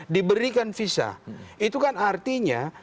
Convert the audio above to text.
diberikan visa itu kan artinya